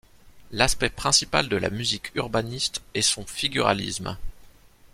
L'aspect principal de la musique urbaniste est son figuralisme.